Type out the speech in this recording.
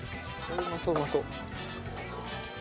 うまそううまそう。